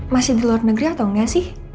masih di luar negeri atau enggak sih